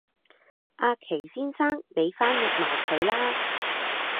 阿祁先生你翻譯埋佢啦